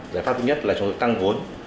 giải pháp thứ nhất là chúng tôi tăng vốn